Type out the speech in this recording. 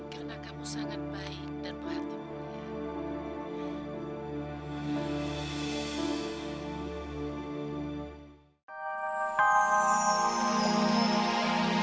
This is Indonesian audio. karena kamu sangat baik dan berhati hati